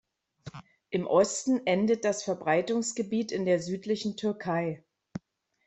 Im Osten endet das Verbreitungsgebiet in der südlichen Türkei.